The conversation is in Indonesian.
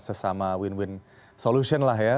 sesama win win solution lah ya